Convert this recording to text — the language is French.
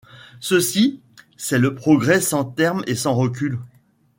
Ceci, c'est le progrès sans terme et sans recul